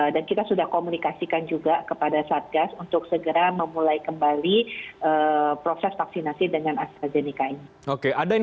dan kita sudah komunikasikan juga kepada satgas untuk segera memulai kembali proses vaksinasi dengan astrazeneca ini